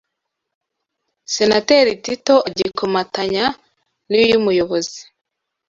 Senateri Tito agikomatanya n’iy’umuyobozi